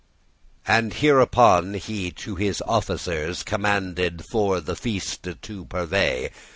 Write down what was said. And hereupon he to his officers Commanded for the feaste to purvey.